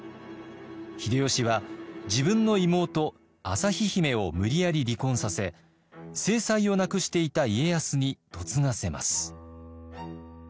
秀吉は自分の妹旭姫を無理やり離婚させ正妻を亡くしていた家康に嫁がせます。